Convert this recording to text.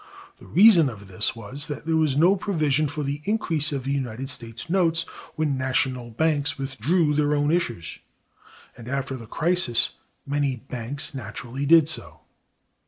The reason of this was, that there was no provision for the increase of United States notes when national banks withdrew their own issues; and after the crisis many banks naturally did so.